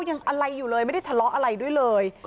ยังอะไรอยู่เลยไม่ได้ทะเลาะอะไรด้วยเลย